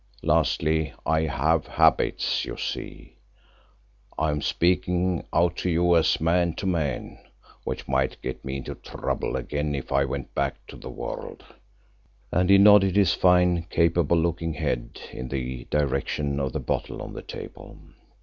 Lastly I have habits—you see, I am speaking out to you as man to man—which might get me into trouble again if I went back to the world," and he nodded his fine, capable looking head in the direction of the bottle on the table.